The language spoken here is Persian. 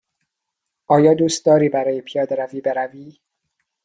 آیا دوست داری برای پیاده روی بروی؟